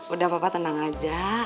udah papa tenang aja